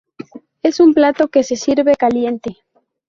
Es un plato que sirve caliente.